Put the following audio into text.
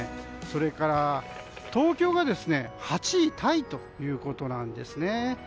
それから東京が８位タイということなんですね。